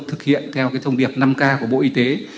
thực hiện theo thông điệp năm k của bộ y tế